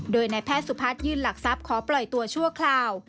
โดยนายแพทย์สุพัฒน์ยื่นหลักทรัพย์ขอปล่อยตัวชั่วคราว